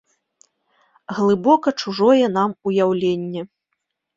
Глыбока чужое нам уяўленне.